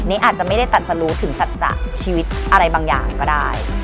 อาจจะไม่ได้ตัดสรุถึงสัจจะชีวิตอะไรบางอย่างก็ได้